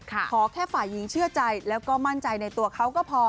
ขอแค่ฝ่ายหญิงเชื่อใจแล้วก็มั่นใจในตัวเขาก็พอ